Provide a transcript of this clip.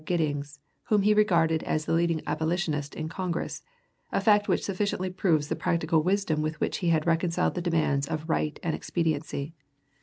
Giddings, whom he regarded as the leading abolitionist in Congress, a fact which sufficiently proves the practical wisdom with which he had reconciled the demands of right and expediency.